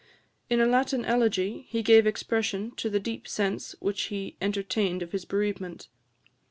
In a Latin elegy, he gave expression to the deep sense which he entertained of his bereavement.